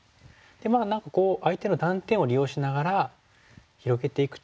まあ何か相手の断点を利用しながら広げていくと。